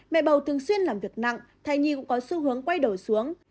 mẹ bầu thường xuyên làm việc nặng thai nhi cũng có xu hướng quay đầu xuống